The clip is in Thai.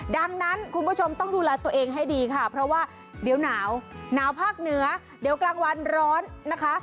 ดังนั้นคุณผู้ชมต้องดูแลตัวเองให้ดีค่ะเพราะว่าเดี๋ยวหนาวหนาวภาคเหนือเดี๋ยวกลางวันร้อนนะคะ